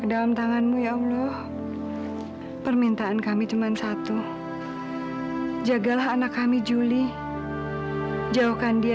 sampai jumpa di video selanjutnya